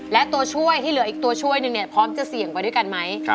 และตัวช่วยที่เหลืออีกตัวช่วยหนึ่งเนี่ยพร้อมจะเสี่ยงไปด้วยกันไหม